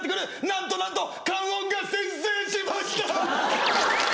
なんとなんと観音が先制しましたぁ。